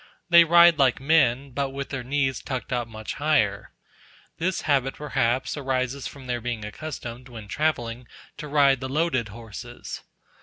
They ride like men, but with their knees tucked up much higher. This habit, perhaps, arises from their being accustomed, when travelling, to ride the loaded horses.